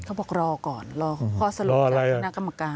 เขาบอกรอก่อนรอข้อสรุปจากคณะกรรมการ